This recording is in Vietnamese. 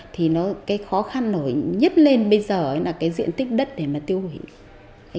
thì cái khó khăn nhất lên bây giờ là cái diện tích đất để mà tiêu hủy